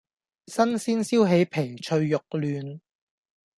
新鮮燒起皮脆肉嫩